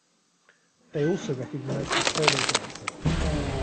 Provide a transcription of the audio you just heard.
They also recognise the Solo dancer.